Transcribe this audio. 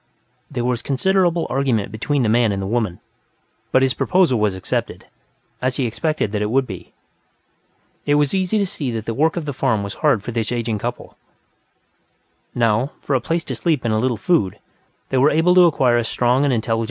There was considerable argument between the man and the woman, but his proposal was accepted, as he expected that it would. It was easy to see that the work of the farm was hard for this aging couple; now, for a place to sleep and a little food, they were able to acquire a strong and intelligent slave.